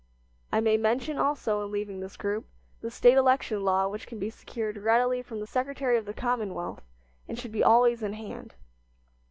I may mention, also, in leaving this group, the State election law which can be secured readily from the Secretary of the Commonwealth, and should be always in hand.